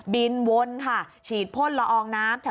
วนค่ะฉีดพ่นละอองน้ำ